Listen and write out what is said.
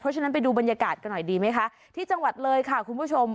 ฉะนั้นไปดูบรรยากาศกันหน่อยดีไหมคะที่จังหวัดเลยค่ะคุณผู้ชม